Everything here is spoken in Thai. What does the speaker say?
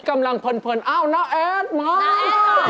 กำลังเพิ่นอ้าวน้าแอดมา